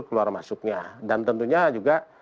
keluar masuknya dan tentunya juga